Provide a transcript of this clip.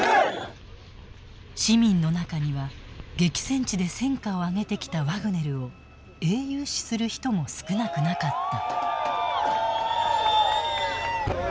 市民の中には激戦地で戦果を上げてきたワグネルを英雄視する人も少なくなかった。